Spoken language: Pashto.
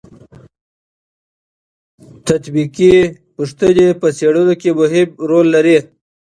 تطبیقي پوښتنې په څېړنو کې مهم رول لري.